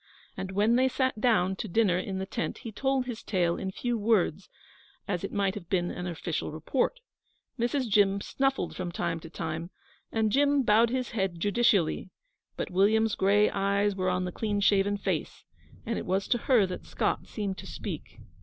And when they sat down to dinner in the tent he told his tale in few words, as it might have been an official report. Mrs. Jim snuffled from time to time, and Jim bowed his head judicially; but William's gray eyes were on the clean shaven face, and it was to her that Scott seemed to speak.